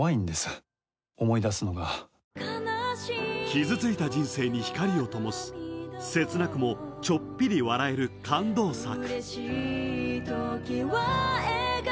傷ついた人生に光をともす、切なくもちょっぴり笑える感動作。